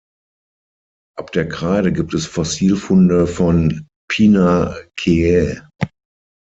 Ab der Kreide gibt es Fossilfunde von Pinaceae.